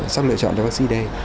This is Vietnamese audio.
sắp lựa chọn cho bác sĩ đây